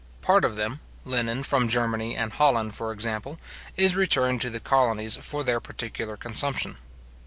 Part of them, linen from Germany and Holland, for example, is returned to the colonies for their particular consumption.